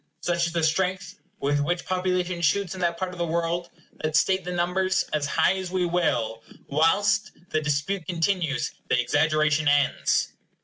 Such is the strength with which population shoots in that part of the world, that, state the numbers as high as we will, whilst the dispute continues, the exaggeration ends.